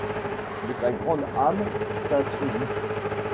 De ta grande âme t'assouvis !